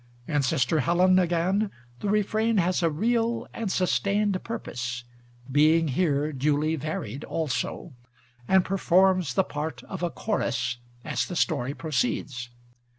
In Sister Helen again, the refrain has a real, and sustained purpose (being here duly varied also) and performs the part of a chorus, as the story proceeds.